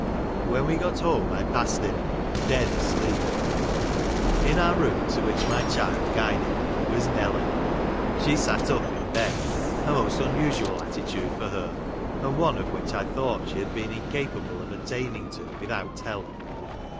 "When we got home I passed him, dead In our room, to which my child guided me, was Nelly. She sat up in bed, a most un usual attitude for her, and one of which I thought she had been incapable of attaining to without help.